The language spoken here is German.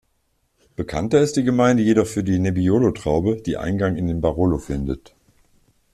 Bekannter ist die Gemeinde jedoch für die Nebbiolo-Traube, die Eingang in den Barolo findet.